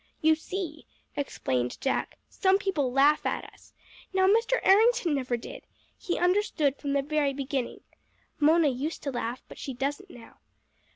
"You see," explained Jack, "some people laugh at us. Now Mr. Errington never did. He understood from the very beginning. Mona used to laugh, but she doesn't now.